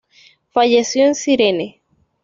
Falleció en Cirene.